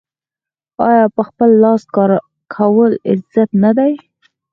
آیا په خپل لاس کار کول عزت نه دی؟